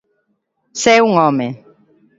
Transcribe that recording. Sé un home.